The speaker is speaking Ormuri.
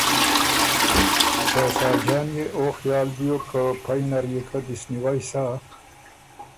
ته ساجان يې او خیال بیوک که پئ نر يې که دِست نیوئ سۀ